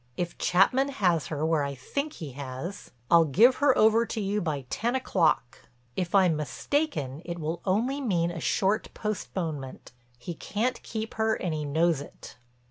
If Chapman has her where I think he has, I'll give her over to you by ten o'clock. If I'm mistaken it will only mean a short postponement. He can't keep her and he knows it."